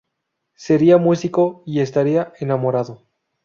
Sería músico y estaría enamorado.